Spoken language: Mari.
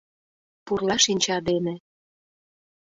— Пурла шинча дене...